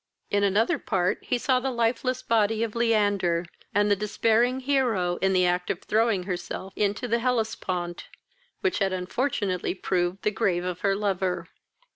In another part, he saw the lifeless body of Leander, and the despairing Hero in the act of throwing herself into the Hellespont, which had unfortunately proved the grave of her lover.